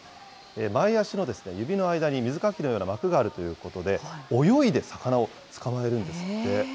前足の指の間に水かきのような膜があるということで、泳いで魚を捕まえるんですって。